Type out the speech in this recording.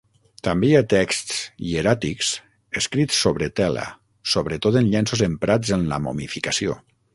També hi ha texts hieràtics escrits sobre tela, sobretot en llenços emprats en la momificació.